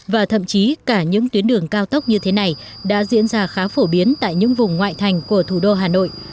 và thậm chí cả những tuyến đường cao tốc như thế này đã diễn ra khá phổ biến tại những vùng ngoại thành của thủ đô hà nội